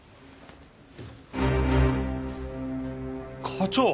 課長！